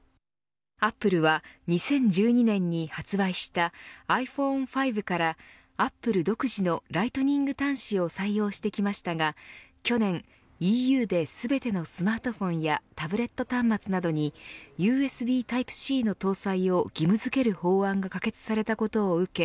アップルは２０１２年に発売したｉＰｈｏｎｅ５からアップル独自のライトニング端子を採用してきましたが去年、ＥＵで全てのスマートフォンやタブレット端末などにＵＳＢタイプＣの搭載を義務付ける法案が可決されたことを受け